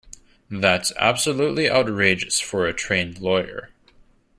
That's absolutely outrageous for a trained lawyer.